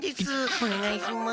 おねがいします。